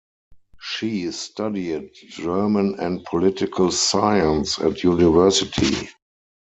She studied German and Political Science at university.